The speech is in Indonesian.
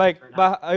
baik pak henry